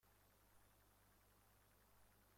گلوی پسر را می فشارد